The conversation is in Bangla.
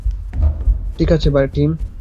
ঠিক আছে, টিম।